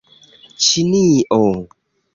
Ĉinio